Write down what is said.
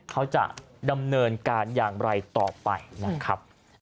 เขาจะดำเนินการอย่างไรต่อไปนะครับ